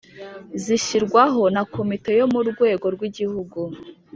zishyirwaho na comite yo murwego rw’igihugu